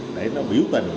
để nó biểu tình